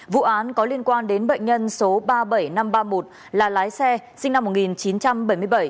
vụ án có liên quan đến bệnh nhân số ba mươi bảy nghìn năm trăm ba mươi một là lái xe sinh năm một nghìn chín trăm bảy mươi bảy